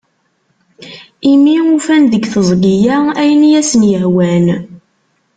Imi ufan deg tezgi-a ayen i asen-yehwan.